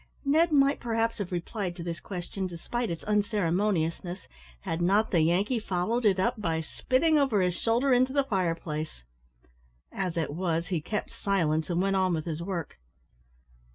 Ned might perhaps have replied to this question despite its unceremoniousness, had not the Yankee followed it up by spitting over his shoulder into the fire place. As it was, he kept silence, and went on with his work.